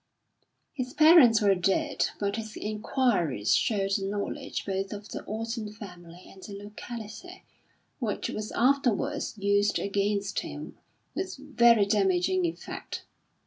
His parents were dead, but his enquiries showed a knowledge, both of the Orton family and the locality, which was afterwards used against him with very damaging effect.